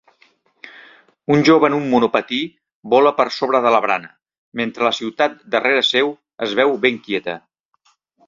Un jove en un monopatí vola per sobre de la barana, mentre la ciutat darrera seu es veu ben quieta.